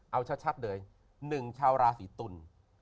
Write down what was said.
เอาชัดเลย๑ชาวราศีตุล